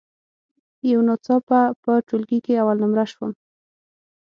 یو ناڅاپه په ټولګي کې اول نمره شوم.